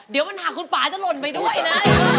เดี๋ยวมันหักคุณป่าจะหล่นไปด้วยนะ